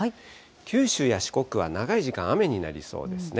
九州や四国は長い時間、雨になりそうですね。